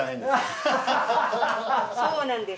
そうなんです。